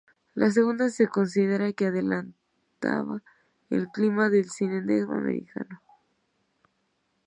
La segunda se considera que adelantaba el clima del cine negro americano.